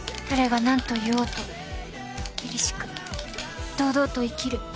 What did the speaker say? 誰が何と言おうと凛々しく、堂々と生きる。